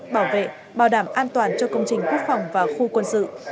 bảo vệ bảo đảm an toàn cho công trình quốc phòng và khu quân sự